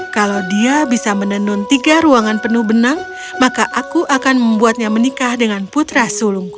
kalau dia bisa menenun tiga ruangan penuh benang maka aku akan membuatnya menikah dengan putra sulungku